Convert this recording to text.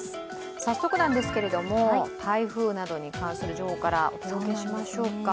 早速なんですが、台風などに関する情報からお届けしましょうか。